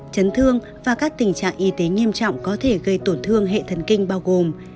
chấn thương và các tình trạng y tế nghiêm trọng có thể gây tổn thương hệ thần kinh bao gồm